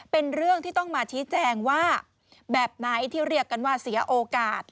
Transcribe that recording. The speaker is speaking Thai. เป็นเรื่องที่ต้องมาชี้แจงว่าแบบไหนที่เรียกกันว่าเสียโอกาส